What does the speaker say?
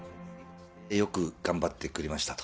よく頑張ってくれましたと。